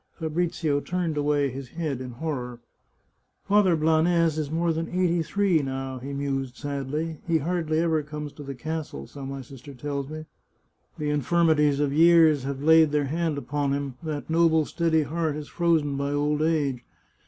Fabrizio turned away his head in horror. '' Father Blanes is more than eighty three now," he mused sadly; " he hardly ever comes to the castle, so my sister tells me. The infirmities of years have laid their hand upon him ; that noble steady heart is frozen by old age.